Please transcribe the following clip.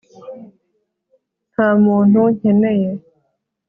nta muntu nkeneye